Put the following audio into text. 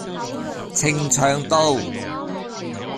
呈祥道